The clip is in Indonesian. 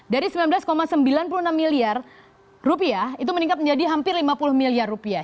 dari sembilan belas sembilan puluh enam miliar rupiah itu meningkat menjadi hampir lima puluh miliar rupiah